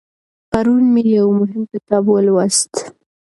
پرون مې یو مهم کتاب ولوست.